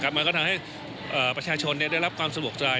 มันก็ทำให้ประชาชนได้รับความสะดวกใจ